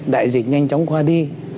đại dịch nhanh chóng qua đi